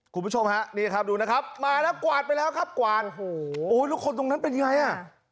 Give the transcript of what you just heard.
คุณผู้ชมฮะนี่ครับดูนะครับมาแล้วกวาดไปแล้วครับกวาดโอ้โหโอ้แล้วคนตรงนั้นเป็นยังไงอ่ะ